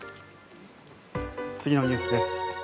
次のニュースです。